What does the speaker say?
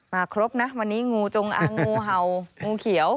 ครบนะวันนี้งูจงอางงูเห่างูเขียว